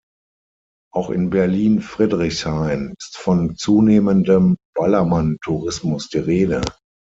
Auch in Berlin-Friedrichshain ist von zunehmendem Ballermann-Tourismus die Rede.